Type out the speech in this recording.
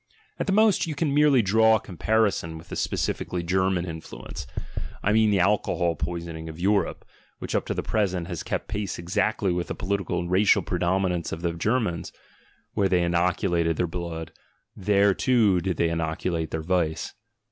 At the most you can merely draw a comparison with the specifically German influence: I mean the alcohol poisoning of Europe, which up to the present has kept pace exactly with the political and racial predominance of the Germans (where they THE GEXEALOGY OF MORALS inoculated their blood, there too did they inoculate their vice).